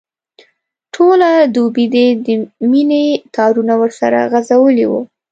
ټوله دوبي دي د مینې تارونه ورسره غځولي وو.